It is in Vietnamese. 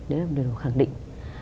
đó là điều được khẳng định